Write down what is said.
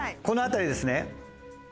この辺りですね。